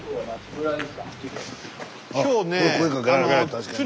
確かにね。